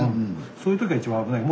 そういう時が一番危ない。